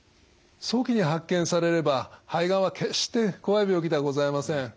早期に発見されれば肺がんは決して怖い病気ではございません。